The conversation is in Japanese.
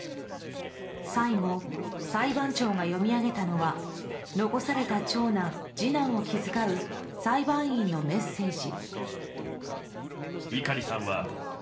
最後、裁判長が読み上げたのは残された長男、次男を気遣う裁判員のメッセージ。